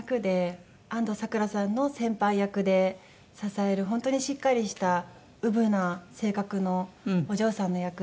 安藤サクラさんの先輩役で支える本当にしっかりしたうぶな性格のお嬢さんの役で。